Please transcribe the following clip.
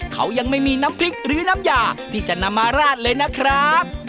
เขายังไม่มีน้ำพริกหรือน้ำยาที่จะนำมาราดเลยนะครับ